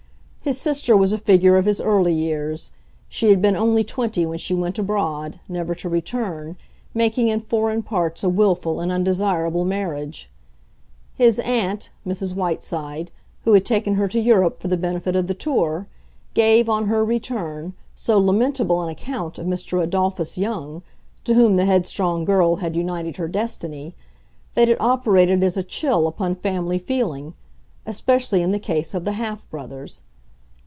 His sister was a figure of his early years; she had been only twenty when she went abroad, never to return, making in foreign parts a willful and undesirable marriage. His aunt, Mrs. Whiteside, who had taken her to Europe for the benefit of the tour, gave, on her return, so lamentable an account of Mr. Adolphus Young, to whom the headstrong girl had united her destiny, that it operated as a chill upon family feeling—especially in the case of the half brothers.